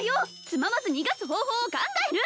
つままず逃がす方法を考える！